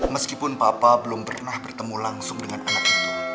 meskipun papa belum pernah bertemu langsung dengan anak itu